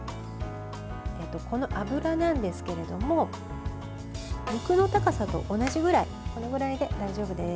この油なんですけれども肉の高さと同じくらいこのぐらいで大丈夫です。